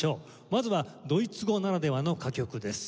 まずはドイツ語ならではの歌曲です。